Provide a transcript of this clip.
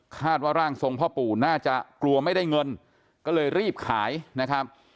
ร่างทรงพ่อปู่น่าจะกลัวไม่ได้เงินก็เลยรีบขายนะครับ